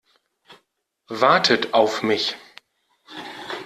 Wartet auf mich!